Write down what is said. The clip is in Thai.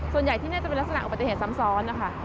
ส่วนใหญ่ที่น่าจะเป็นลักษณะอุบัติเหตุซ้ำซ้อนนะคะ